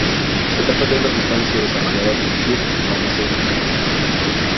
Se trata de una sustancia desarrollada por "Shire Pharmaceuticals".